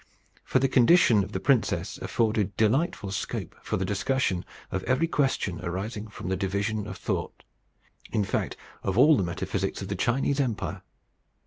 For the condition of the princess afforded delightful scope for the discussion of every question arising from the division of thought in fact, of all the Metaphysics of the Chinese Empire.